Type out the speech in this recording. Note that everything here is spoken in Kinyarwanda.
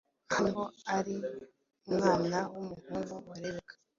aha niho ari umwana w'umuhungu wa Rebecca